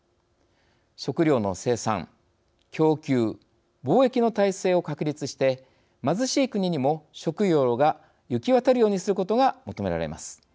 食料の生産、供給貿易の体制を確立して貧しい国にも食料が行き渡るようにすることが求められます。